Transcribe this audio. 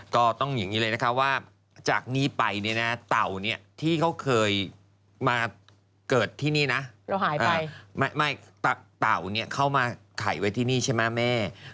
ก็ต้องอย่างนี้เลยนะคะว่า